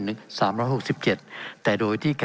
เป็นของสมาชิกสภาพภูมิแทนรัฐรนดร